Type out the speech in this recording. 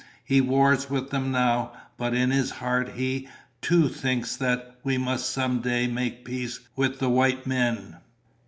He wars with them now, but in his heart he, too, thinks that we must some day make peace with the white men."